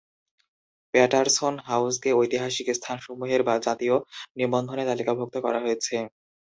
Patterson হাউসকে ঐতিহাসিক স্থানসমূহের জাতীয় নিবন্ধনে তালিকাভুক্ত করা হয়েছে।